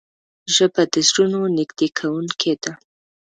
ژبه د زړونو نږدې کوونکې ده